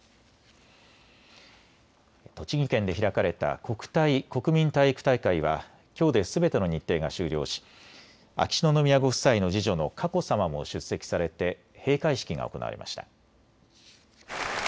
栃木県で開かれた国体・国民体育大会はきょうですべての日程が終了し秋篠宮ご夫妻の次女の佳子さまも出席されて閉会式が行われました。